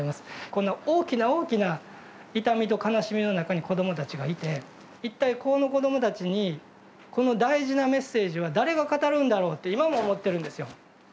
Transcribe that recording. この大きな大きな痛みと悲しみの中に子どもたちがいて一体この子どもたちにこの大事なメッセージは誰が語るんだろうって今も思ってるんですよ。